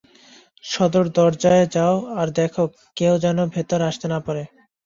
সদর দরজায় যাও আর দেখো কেউ যেন ভেতরে আসতে না পারে।